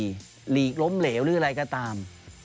หลีกล้มเหลวหรืออะไรก็ตาม